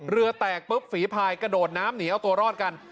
เรือแตกปุ๊บฝีพายกระโดดน้ำหนีเอาตัวรอดกัน